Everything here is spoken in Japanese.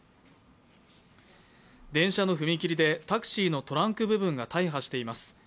電車の踏切でタクシーのトランク部分が大破しています。